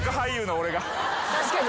・確かに。